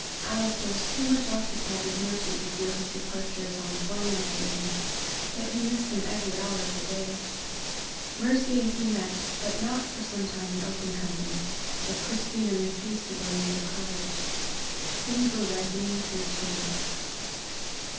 Alister was too much occupied with Mercy to feel his departure as on former occasions, yet he missed him every hour of the day. Mercy and he met, but not for some time in open company, as Christina refused to go near the cottage. Things were ripening to a change.